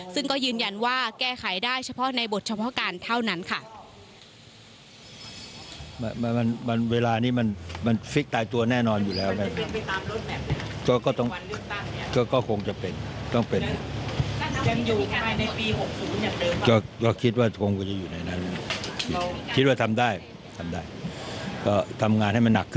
ซึ่งก็ยืนยันว่าแก้ไขได้เฉพาะในบทเฉพาะการเท่านั้นค่ะ